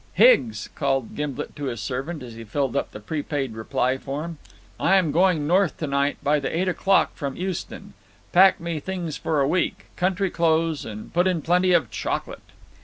"Higgs," called Gimblet to his servant, as he filled up the prepaid reply form, "I am going North to night, by the eight o'clock from Euston. Pack me things for a week; country clothes; and put in plenty of chocolate."